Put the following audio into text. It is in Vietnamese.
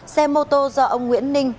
xe mô tô do ông nguyễn ninh